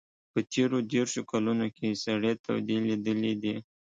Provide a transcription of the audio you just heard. په تېرو دېرشو کلونو کې سړې تودې لیدلي دي.